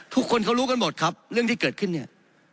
ทุกคนเขารู้กันหมดครับเรื่องที่เกิดขึ้นเนี่ย